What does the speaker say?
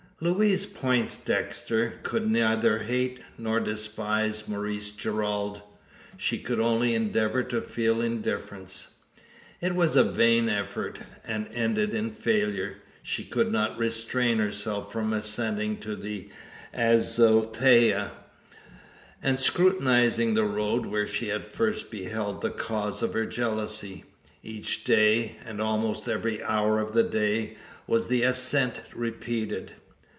Louise Poindexter could neither hate, nor despise, Maurice Gerald. She could only endeavour to feel indifference. It was a vain effort, and ended in failure. She could not restrain herself from ascending to the azotea, and scrutinising the road where she had first beheld the cause of her jealousy. Each day, and almost every hour of the day, was the ascent repeated.